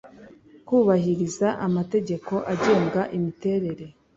kubahiriza amategeko agenga imiterere